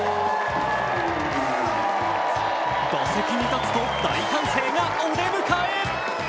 打席に立つと大歓声でお出迎え。